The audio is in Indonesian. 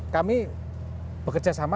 kami bekerja sama